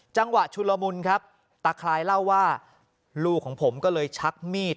จังหวะชุลมุนครับตาคลายเล่าว่าลูกของผมก็เลยชักมีด